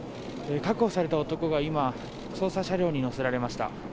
確保された男が今、捜査車両に乗せられました。